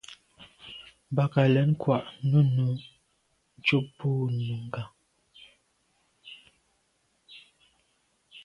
Bə̀k à' lɛ̌n kwāh nʉ́nʉ̄ cúp bú Nùngà.